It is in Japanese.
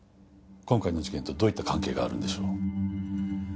今回の事件とどういった関係があるんでしょう？